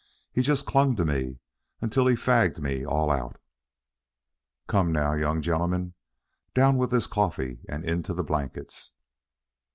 He just clung to me until he fagged me all out." "Come now, young gentlemen, down with this coffee and into the blankets."